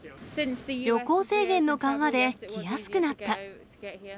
旅行制限の緩和で来やすくなった。